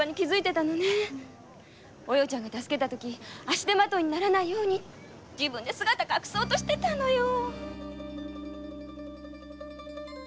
お葉ちゃんが助けたとき足手まといにならないように自分から姿を隠したのよ。